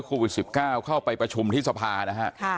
โควิด๑๙เข้าไปประชุมที่สภานะฮะ